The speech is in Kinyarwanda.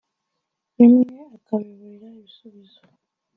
bimwe akabiburira ibisubizo